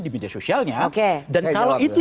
di media sosialnya oke saya jawab itu dan kalau itu